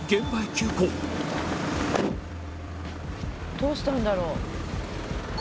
どうしたんだろう？